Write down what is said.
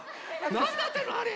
なんだったのあれ？